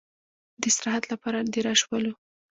د استراحت لپاره دېره شولو.